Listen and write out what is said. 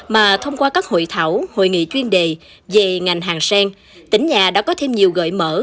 mà thông qua các hội thảo hội nghị chuyên đề về ngành hàng sen tỉnh nhà đã có thêm nhiều gợi mở